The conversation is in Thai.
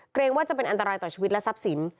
เกรงว่าจะเป็นอันตรายต่อชีวิตและทรัพย์สิน